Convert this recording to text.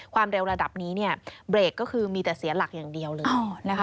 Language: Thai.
ความเร็วระดับนี้เบรกก็คือมีแต่เสียหลักอย่างเดียวเลย